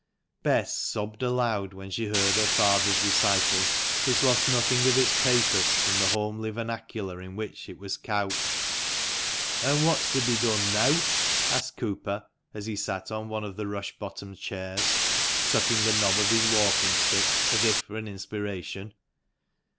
Bess sobbed aloud when she heard her father's recital, which lost nothing of its pathos from the homely vernacular in which it was couched. " An' what's to be done neaw ?" asked Cooper, as he sat on one of the rush bottomed chairs, sucking the knob of his walking stick, as if for an inspiration.